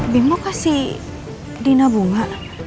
bima kasih dina bunga